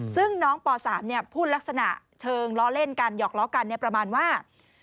ซึ่งน้องป๓พูดลักษณะเชิงล้อเล่นกันหยอกล้อกันประมาณว่า